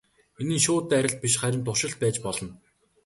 Энэ нь шууд дайралт биш харин туршилт байж болно.